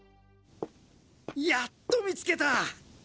やっと見つけた！